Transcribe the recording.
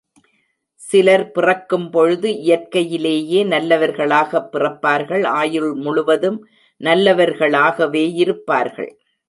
சிலர் பிறக்கும் பொழுது இயற்கையிலேயே நல்லவர்களாகப் பிறப்பார்கள் ஆயுள் முழுவதும் நல்லவர்களாகவே இருப்பார்கள்.